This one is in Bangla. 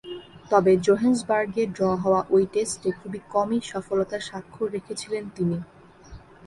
তবে, জোহেন্সবার্গে ড্র হওয়া ঐ টেস্টে খুব কমই সফলতার স্বাক্ষর রেখেছিলেন তিনি।